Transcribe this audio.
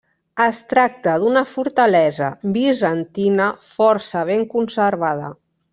Es tracta d'una fortalesa bizantina força ben conservada.